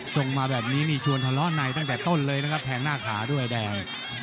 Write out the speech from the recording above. ส่งมาแบบนี้นี่ชวนทะเลาะในตั้งแต่ต้นเลยนะครับแทงหน้าขาด้วยแดง